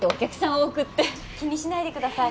多くって気にしないでください